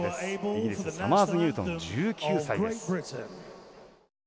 イギリスのサマーズニュートン１９歳です。